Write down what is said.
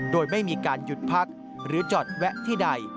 โดยไม่มีการหยุดพักหรือจอดแวะที่ใด